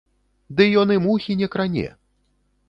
Ды ён і мухі не кране!